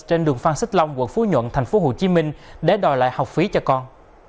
trên đường phan xích long quận phú nhuận tp hcm để đòi lại học phí cho con